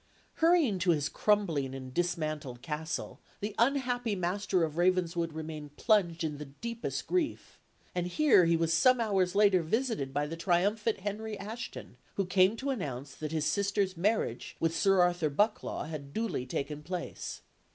Hurrying to his crumbling and dismantled castle, the unhappy Master of Ravenswood remained plunged in the deepest grief; and here he was some hours later visited by the triumphant Henry Ashton, who came to announce that his sister's marriage with Sir Arthur Bucklaw had duly taken place.